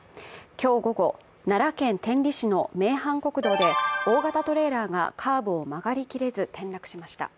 今日午後、奈良県天理市の名阪国道で、大型トレーラーがカーブを曲がり切れず、転落しました。